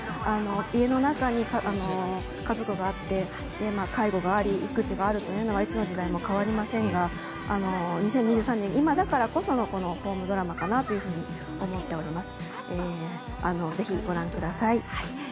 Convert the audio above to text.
家の中に家族があって介護があり、育児があるというのはいつの時代も変わりませんが２０２３年、今だからこそのホームドラマかなと思っています。